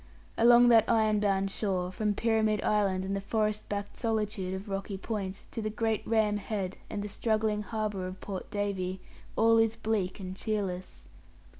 Along that iron bound shore, from Pyramid Island and the forest backed solitude of Rocky Point, to the great Ram Head, and the straggling harbour of Port Davey, all is bleak and cheerless.